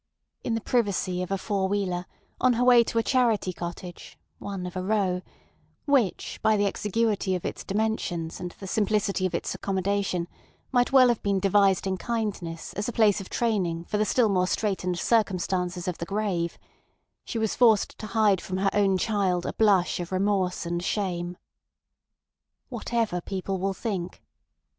In the privacy of a four wheeler, on her way to a charity cottage (one of a row) which by the exiguity of its dimensions and the simplicity of its accommodation, might well have been devised in kindness as a place of training for the still more straitened circumstances of the grave, she was forced to hide from her own child a blush of remorse and shame. Whatever people will think?